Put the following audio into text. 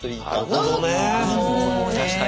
なるほどね。